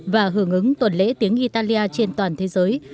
và hưởng ứng tuần lễ tiếng italia trên toàn thế giới